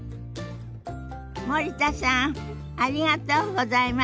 森田さんありがとうございました。